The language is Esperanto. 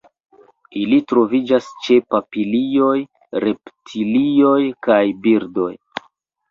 Ili troviĝas ĉe papilioj, reptilioj kaj birdoj.